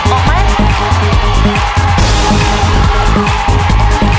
ออกไหม